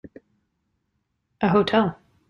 An hotel.